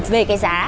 về cái giá